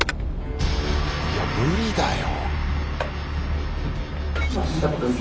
いや無理だよ。